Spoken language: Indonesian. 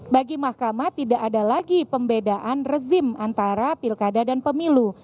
bagi mahkamah tidak ada lagi pembedaan rezim antara pilkada dan pemilu